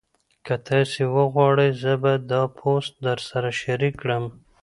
که تاسي وغواړئ زه به دا پوسټ درسره شریک کړم.